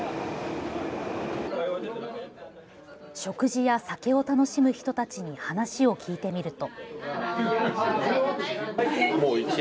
食事や酒を楽しむ人たちに話を聞いてみると。